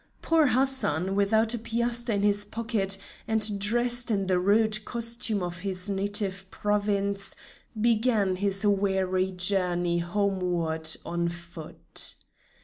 Poor Hassan, without a piaster in his pocket, and dressed in the rude costume of his native province, began his weary journey homeward on foot.